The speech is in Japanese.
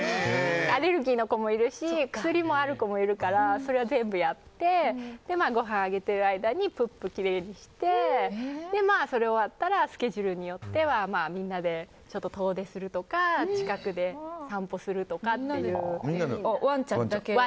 アレルギーの子もいるし薬もある子もいるからそれは全部やってごはんをあげてる間にプップきれいにしてそれが終わったらスケジュールによってはみんなで遠出するとか近くで散歩するとかっていう。